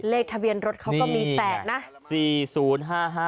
เลขทะเบียนรถเขาก็มี๘นะ